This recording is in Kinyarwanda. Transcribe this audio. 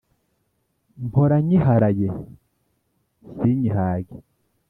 Mpora nyiharaye sinyihage